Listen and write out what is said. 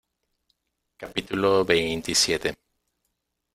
capítulo veintisiete.